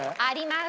「す」！